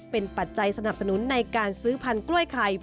เป็นปัจจัยสนับสนุนในการซื้อพันธุ์กล้วยไข่